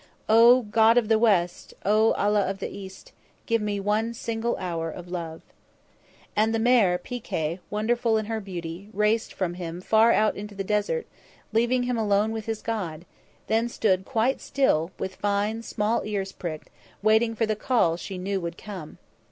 "O God of the West! O Allah of the East! Give me one single hour of love!" And the mare, Pi Kay, wonderful in her beauty, raced from him far out into the desert, leaving him alone with his God; then stood quite still, with fine small ears pricked, waiting for the call she knew would come.